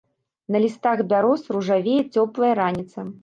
На лістах бяроз ружавее цёплая раніца.